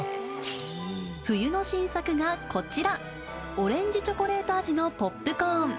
冬の新作がこちら、オレンジチョコレート味のポップコーン。